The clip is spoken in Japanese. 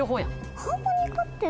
ハーモニカって。